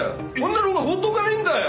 女のほうが放っとかないんだよ！